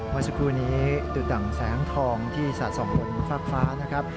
วันสักครู่นี้ดูดั่งแสงทองที่ศาสตร์ส่องบนฟากฟ้านะครับ